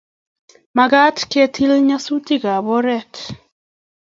Makat ketil nyasutik ab oret